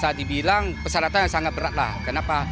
tadi bilang persyaratan yang sangat berat lah kenapa